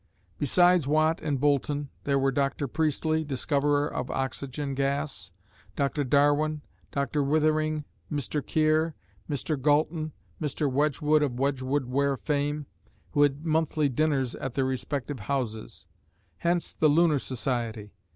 Besides Watt and Boulton, there were Dr. Priestley, discoverer of oxygen gas, Dr. Darwin, Dr. Withering, Mr. Keir, Mr. Galton, Mr. Wedgwood of Wedgwood ware fame, who had monthly dinners at their respective houses hence the "Lunar" Society.